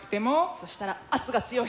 そしたら圧が強い。